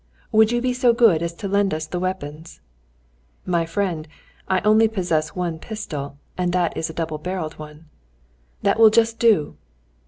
"Would you be so good as to lend us the weapons?" "My friend, I only possess one pistol, and that is a double barrelled one." "That will just do!"